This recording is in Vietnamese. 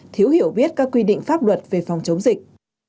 thiếu hiểu biết các quy định pháp luật về phòng chống dịch